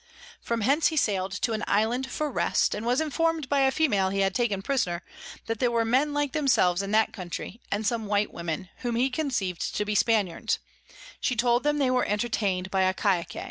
From hence he sail'd to an Island for Rest, and was inform'd by a Female he had taken Prisoner, that there were Men like themselves in that Country, and some white Women, whom he conceiv'd to be Spaniards: she told him they were entertain'd by a Cacique.